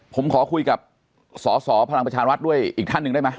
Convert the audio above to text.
ผมขอคุยกับสอสอพลังประชารัฐด้วยอีกท่านหนึ่งได้ไหม